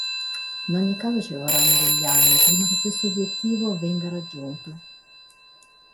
In ogni caso ci vorranno degli anni prima che questo obiettivo venga raggiunto.